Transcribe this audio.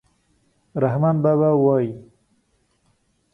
رحمان بابا وایي: